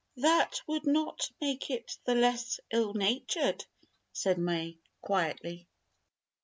"That would not make it the less ill natured," said May, quietly.